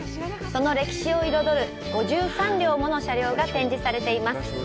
その歴史を彩る５３両もの車両が展示されています。